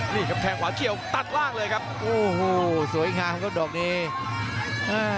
นี่ครับแข่งขวาเขียวตัดล่างเลยครับโอ้โหสวยงามครับดอกนี้อ่า